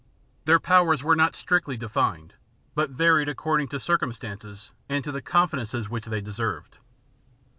Their powers were not strictly defined, but varied according to circumstances and to the confidence which they deserved.